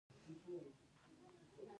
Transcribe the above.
پۀ کوئټه کښې دېره وو،